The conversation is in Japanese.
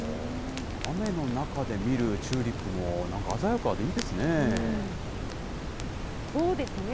雨の中で見るチューリップも、なんか鮮やかでいいですね。